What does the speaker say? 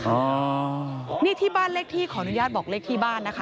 ประทับร่างเหมือนกับเข้าทรงอย่างเนี้ยค่ะอ๋อนี่ที่บ้านเลขที่ขออนุญาตบอกเลขที่บ้านนะคะ